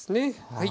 はい。